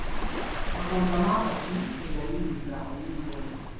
Kakooza mwaka ki mwe yayiiyiza oluyimba olwo?